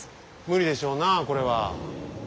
無理でしょうなあこれは。